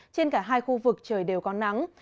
trên cả hai khu vực trời đều có nắng